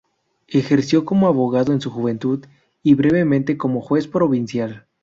Ejerció como abogado en su juventud, y brevemente como juez provincial.